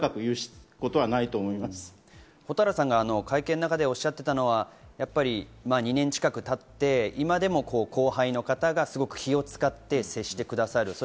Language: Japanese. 会見の中で蛍原さんがおっしゃっていたのは２年近く経って今でも後輩の方がすごく気を使って接してくださる。